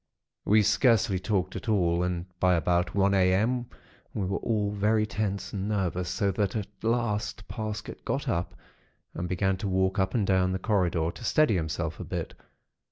"We scarcely talked at all, and by about one a.m. we were all very tense and nervous; so that, at last, Parsket got up and began to walk up and down the corridor, to steady himself a bit.